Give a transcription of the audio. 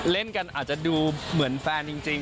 เล่นกันอาจจะดูเหมือนแฟนจริง